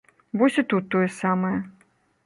Вось і тут тое самае.